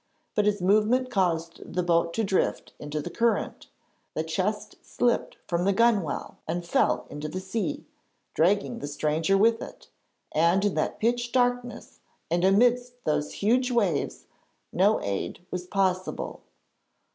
But his movement caused the boat to drift into the current, the chest slipped from the gunwale and fell into the sea, dragging the stranger with it, and in that pitch darkness and amidst those huge waves, no aid was possible.